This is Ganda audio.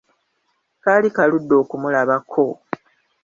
Kaali kaludde okumulabako!